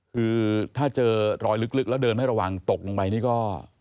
คือถ้าเจอรอยลึกแล้วเดินไม่ระวังตกลงไปนี่ก็